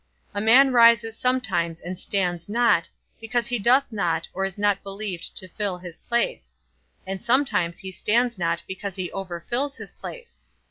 A man rises sometimes and stands not, because he doth not or is not believed to fill his place; and sometimes he stands not because he overfills his place.